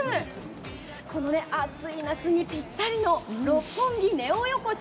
この暑い夏にぴったりの「六本木ネオ横丁」。